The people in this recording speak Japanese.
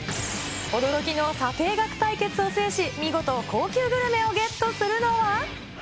驚きの査定額対決を制し、見事、高級グルメをゲットするのは？